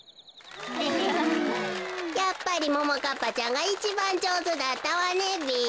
やっぱりももかっぱちゃんがいちばんじょうずだったわねべ。